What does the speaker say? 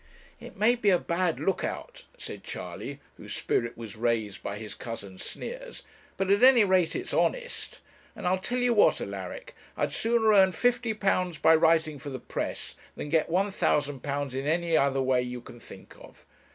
'It may be a bad look out,' said Charley, whose spirit was raised by his cousin's sneers 'but at any rate it's honest. And I'll tell you what, Alaric, I'd sooner earn £50 by writing for the press, than get £1,000 in any other way you can think of.